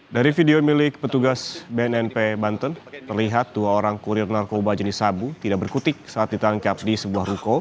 dari video milik petugas bnnp banten terlihat dua orang kurir narkoba jenis sabu tidak berkutik saat ditangkap di sebuah ruko